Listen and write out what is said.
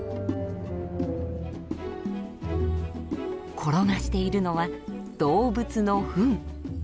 転がしているのは動物のフン。